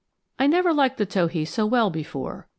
I never liked the towhee so well before.